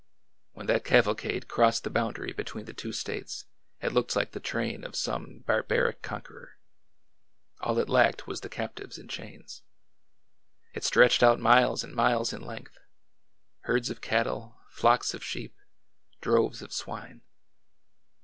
When that cavalcade crossed the boundary between the two States it looked like the train of some barbaric con queror. All it lacked was the captives in chains. It stretched out miles and miles in length— herds of cattle, flocks of sheep, droves of swine.